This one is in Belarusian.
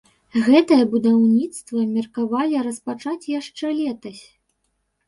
Гэтае будаўніцтва меркавалі распачаць яшчэ летась.